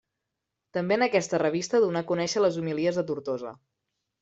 També en aquesta revista donà a conèixer les Homilies de Tortosa.